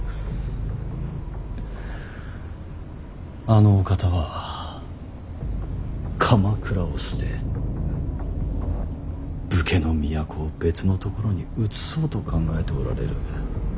あのお方は鎌倉を捨て武家の都を別の所にうつそうと考えておられる。